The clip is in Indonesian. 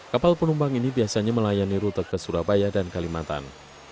kapal penumpang ini biasanya melayani rute ke surabaya dan kalimantan